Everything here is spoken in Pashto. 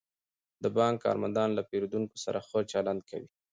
د بانک کارمندان له پیرودونکو سره ښه چلند کوي.